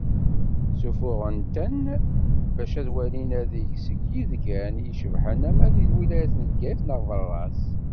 Ssufuɣen-ten bac ad d-walin adeg seg yidgan i icebḥen ama deg twilayt n Bgayet neɣ berra-s.